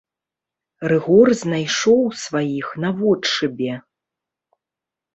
Рыгор знайшоў сваіх наводшыбе.